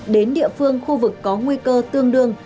đến địa phương khu vực có nguy cơ tương đương